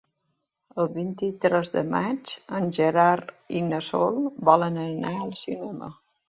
El vint-i-tres de maig en Gerard i na Sol volen anar al cinema.